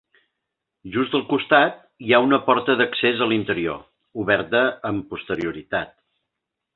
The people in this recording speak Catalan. Just al costat hi ha una porta d'accés a l'interior, oberta amb posterioritat.